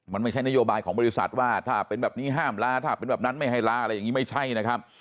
มันไม่ใช่นโยบายของบริษัทว่าถ้าเป็นแบบนี้ห้ามลาถ้าเป็นแบบนั้นไม่ให้ลาอะไรอย่างนี้ไม่ใช่นะครับ